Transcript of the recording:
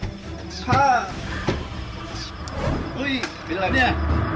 อุ๊ยเป็นอะไรนี่